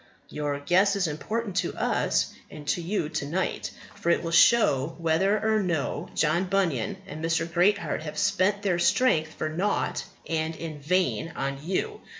Your guess is important to us and to you to night; for it will show whether or no John Bunyan and Mr. Greatheart have spent their strength for nought and in vain on you.